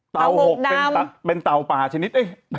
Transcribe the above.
เต่า๖เป็นเต่าป่าชนิด